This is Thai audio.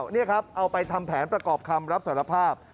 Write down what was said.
นี่ครับเอาไปทำแผนประกอบคำรับสารภาพ